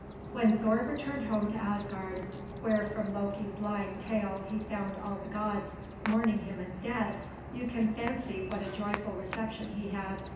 When Thor returned home to Asgard, where from Loki's lying tale he found all the gods mourning him as dead, you can fancy what a joyful reception he had.